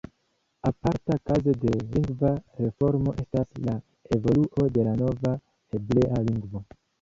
Aparta kazo de lingva reformo estas la evoluo de la nova hebrea lingvo.